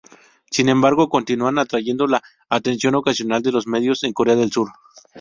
Sin embargo, continúan atrayendo la atención ocasional de los medios en Corea del Sur.